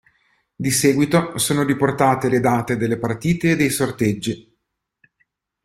Di seguito sono riportate le date delle partite e dei sorteggi.